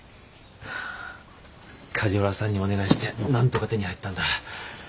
梶原さんにお願いしてなんとか手に入ったんだ。